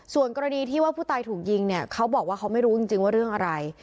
ส่วนกรณีที่ว่าผู้ตายถูกยิงเนี่ยเขาบอกว่าเขาไม่รู้จริงว่าเรื่องอะไร